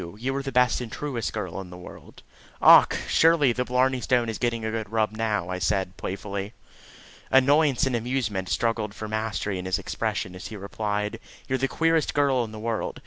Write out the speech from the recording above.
You are the best and truest girl in the world." "Och! Sure, the blarney stone is getting a good rub now," I said playfully. Annoyance and amusement struggled for mastery in his expression as he replied: "You're the queerest girl in the world.